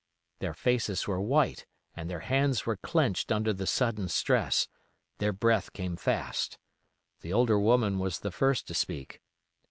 Their faces were white and their hands were clenched under the sudden stress, their breath came fast. The older woman was the first to speak.